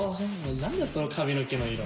何だその髪の毛の色。